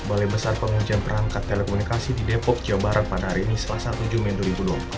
balai besar pengujian perangkat telekomunikasi di depok jawa barat pada hari ini selasa tujuh mei dua ribu dua puluh